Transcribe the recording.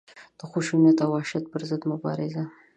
د خشونت او وحشت پر ضد مبارزه.